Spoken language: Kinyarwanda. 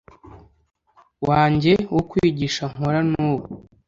wanjye wo kwigisha nkora n’ubu.